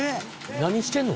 何してんの？